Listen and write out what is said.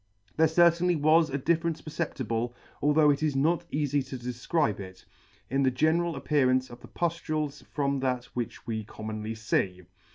There certainly was a difference perceptible, although it is not eafy to defcribe it, in the general appearance of the puflules from that which we commonly fee.